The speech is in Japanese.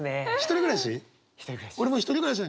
１人暮らしです。